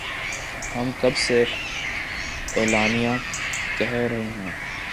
ہم کب سے اعلانیہ کہہ رہے ہیں